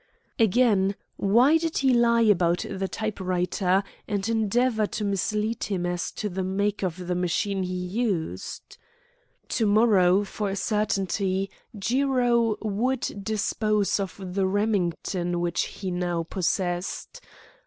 Again, why did he lie about the type writer, and endeavour to mislead him as to the make of the machine he used? To morrow, for a certainty, Jiro would dispose of the Remington which he now possessed.